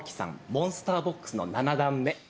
モンスターボックスの７段目。